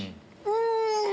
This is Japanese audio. うん！